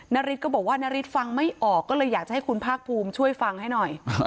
นาริสก็บอกว่านาริสฟังไม่ออกก็เลยอยากจะให้คุณภาคภูมิช่วยฟังให้หน่อย